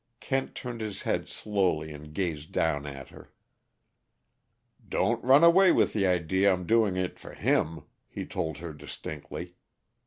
Kent turned his head slowly and gazed down at her. "Don't run away with the idea I'm doing it for him," he told her distinctly.